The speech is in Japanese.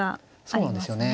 そうなんですよね。